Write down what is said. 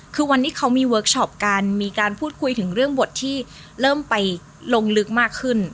คือวันนี้เขามีเวิร์คชอปกันมีการพูดคุยถึงเรื่องบทที่เริ่มไปลงลึกมากขึ้น